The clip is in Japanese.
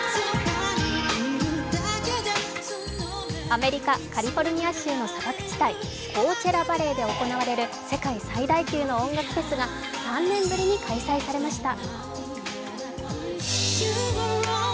アメリカ・カリフォルニア州の砂漠地帯、コーチェラ・バレーで行われる世界最大級の音楽フェスが３年ぶりに開催されました。